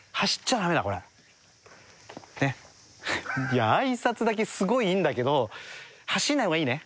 いや挨拶だけすごいいいんだけど走んない方がいいね。